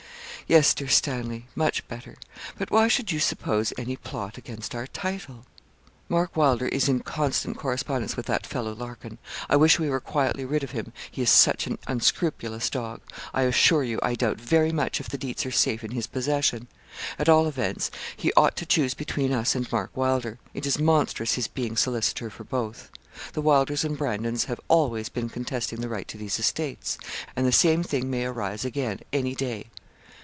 'Yes, dear Stanley, much better; but why should you suppose any plot against our title?' 'Mark Wylder is in constant correspondence with that fellow Larkin. I wish we were quietly rid of him, he is such an unscrupulous dog. I assure you, I doubt very much if the deeds are safe in his possession; at all events, he ought to choose between us and Mark Wylder. It is monstrous his being solicitor for both. The Wylders and Brandons have always been contesting the right to these estates, and the same thing may arise again any day.'